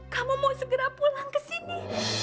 kamu mau segera pulang ke sini